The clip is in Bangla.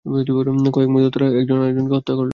কয়েক মুহূর্তে তারা তাদের একজনকে হত্যা করল।